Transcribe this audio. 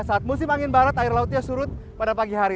saat musim angin barat air lautnya surut pada pagi hari